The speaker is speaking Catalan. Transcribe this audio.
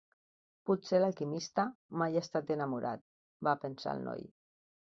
Potser l'alquimista mai ha estat enamorat, va pensar el noi.